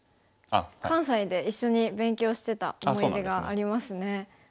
関西で一緒に勉強してた思い出がありますね。